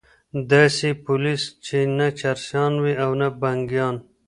داسي پولیس چې نه چرسیان وي او نه بنګیان